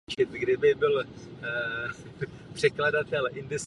Spolupracoval také s rozhlasem a později i s televizí.